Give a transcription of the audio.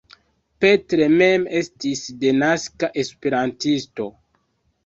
Petr mem estis denaska esperantisto.